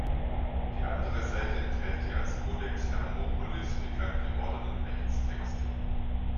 Die andere Seite enthält die als "Kodex Hermopolis" bekannt gewordenen Rechtstexte.